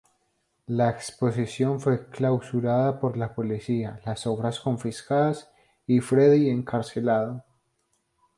La exposición fue clausurada por la policía, las obras confiscadas y Freddie encarcelado.